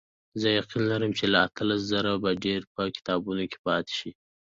زه یقین لرم چې له اتلس زره به ډېرې په کتابونو کې پاتې شي.